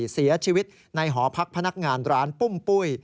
เสียชีวิตในหอพักพนักงานร้านปุ้มปุ้ย